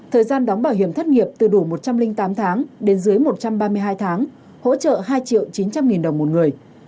thời gian đóng bảo hiểm thất nghiệp từ đủ một trăm linh tám tháng đến dưới một trăm ba mươi hai tháng hỗ trợ hai triệu chín trăm linh nghìn đồng một người